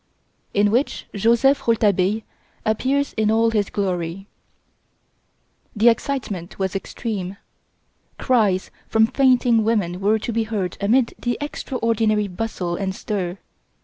In Which Joseph Rouletabille Appears in All His Glory The excitement was extreme. Cries from fainting women were to be heard amid the extraordinary bustle and stir.